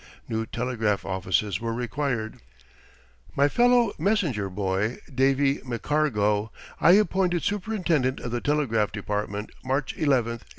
New telegraph offices were required. My fellow messenger boy, "Davy" McCargo, I appointed superintendent of the telegraph department March 11, 1859.